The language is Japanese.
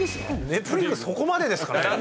そこまでですかね。